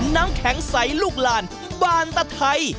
น้ำแข็งใสลูกลานบานตะไทย